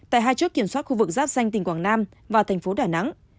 tại hai chốt kiểm soát khu vực giáp xanh tỉnh quảng nam và thành phố đà nẵng